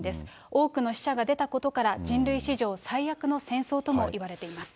多くの死者が出たことから、人類史上最悪の戦争ともいわれています。